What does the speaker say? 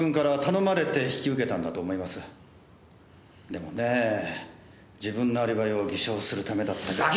でもねえ自分のアリバイを偽証するためだったとは。